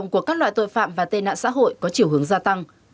các loại tội phạm và tên nạn xã hội có chiều hướng gia tăng